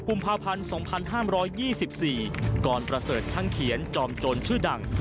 กุมภาพันธ์๒๕๒๔กรประเสริฐช่างเขียนจอมโจรชื่อดัง